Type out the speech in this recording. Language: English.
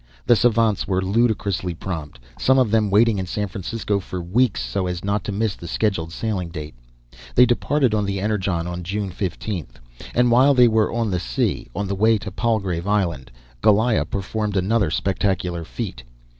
The savants were ludicrously prompt, some of them waiting in San Francisco for weeks so as not to miss the scheduled sailing date. They departed on the Energon on June 15; and while they were on the sea, on the way to Palgrave Island, Goliah performed another spectacular feat.